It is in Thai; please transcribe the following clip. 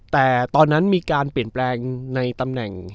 แต่ตอนนั้นมีการเปลี่ยนแปลงในตำแหน่ง